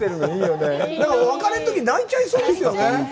でも、別れのとき、泣いちゃいそうですね。